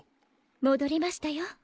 戻りましたよ。